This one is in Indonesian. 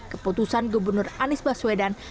keputusan gubernur anies baswedan